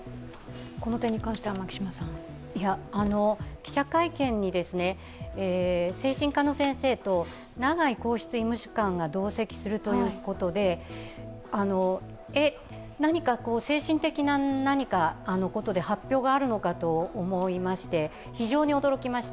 記者会見に精神科の先生と皇室医務主管が同席するということで何か精神的なことで発表があるのかと思いまして、非常に驚きました。